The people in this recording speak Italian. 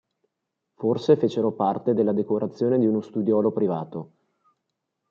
Forse fecero parte della decorazione di uno studiolo privato.